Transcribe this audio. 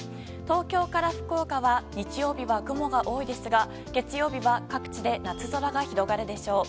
東京から福岡は日曜日は雲が多いですが月曜日は各地で夏空が広がるでしょう。